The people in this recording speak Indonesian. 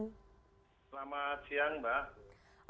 selamat siang mbak